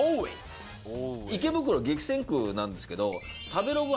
池袋激戦区なんですけど。